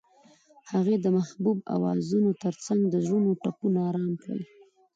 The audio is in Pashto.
هغې د محبوب اوازونو ترڅنګ د زړونو ټپونه آرام کړل.